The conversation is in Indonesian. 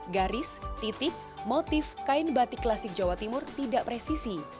garis titik motif kain batik klasik jawa timur tidak presisi